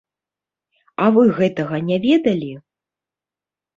А вы гэтага не ведалі?